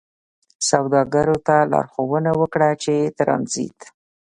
سوداګرو ته لارښوونه وکړه چې ترانزیت